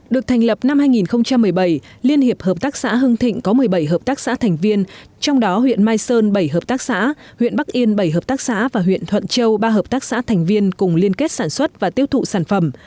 được thành lập năm hai nghìn một mươi bảy liên hiệp hợp tác xã hưng thịnh có một mươi bảy hợp tác xã thành viên trong đó huyện mai sơn bảy hợp tác xã huyện bắc yên bảy hợp tác xã và huyện thuận châu ba hợp tác xã thành viên cùng liên kết sản xuất và tiêu thụ sản phẩm